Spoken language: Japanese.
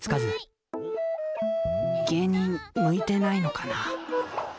芸人向いてないのかな。